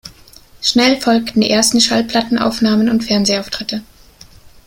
Schnell folgten die ersten Schallplattenaufnahmen und Fernsehauftritte.